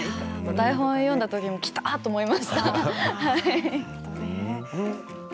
台本を読んだときもきたー！と思いました。